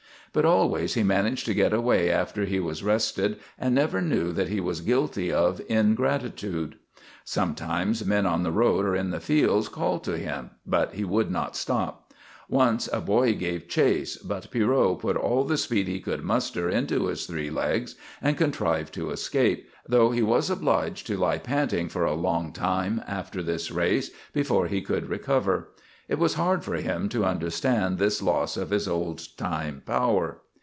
But always he managed to get away after he was rested and never knew that he was guilty of ingratitude. Sometimes men on the road or in the fields called to him, but he would not stop. Once a boy gave chase, but Pierrot put all the speed he could muster into his three legs and contrived to escape, though he was obliged to lie panting for a long time after this race before he could recover. It was hard for him to understand this loss of his old time power.